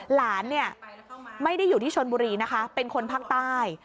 หลานเนี่ยไม่ได้อยู่ที่ชนบุรีนะคะเป็นคนภาคใต้